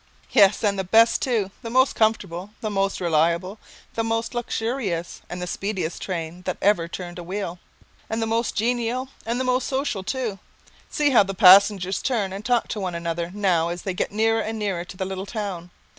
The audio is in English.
Yes, and the best too, the most comfortable, the most reliable, the most luxurious and the speediest train that ever turned a wheel. And the most genial, the most sociable too. See how the passengers all turn and talk to one another now as they get nearer and nearer to the little town.